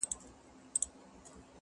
له نيکه را پاته سوی په ميراث دی-